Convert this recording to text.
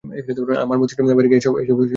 আমার মস্তিষ্ক বাইরে গিয়ে এসবে জড়াতে বারণ করছে।